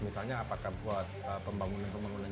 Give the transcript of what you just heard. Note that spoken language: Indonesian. misalnya apakah buat pembangunan pembangunan